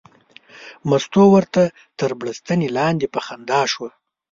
مستو ورته تر بړستنې لاندې په خندا شوه.